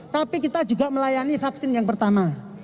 tapi kita juga melayani vaksin yang pertama